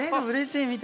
うれしい！